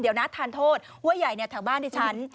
เดี๋ยวนะทานโทษห้วยใหญ่ถังบ้านที่ฉัน